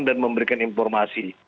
dan memberikan informasi